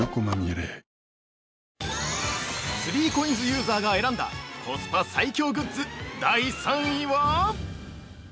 ３ＣＯＩＮＳユーザーが選んだコスパ最強グッズ、第３位は？